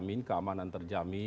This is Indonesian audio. kemudian pertumbuhan yang terjadi